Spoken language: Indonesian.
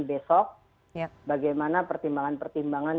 besok bagaimana pertimbangan pertimbangan